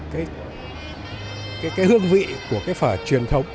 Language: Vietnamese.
cố gắng giữ gìn cái hương vị của cái phở truyền thống